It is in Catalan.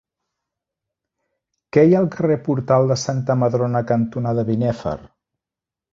Què hi ha al carrer Portal de Santa Madrona cantonada Binèfar?